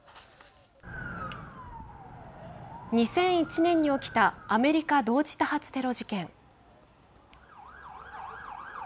２００１年に起きたアメリカ同時多発テロ事件。